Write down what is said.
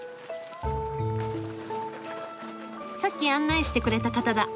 さっき案内してくれた方だ。